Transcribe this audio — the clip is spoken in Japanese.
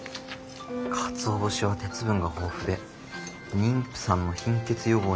かつお節は鉄分が豊富で妊婦さんの貧血予防にも効果的と。